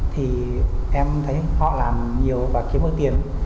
thì em thấy họ làm nhiều và kiếm được tiền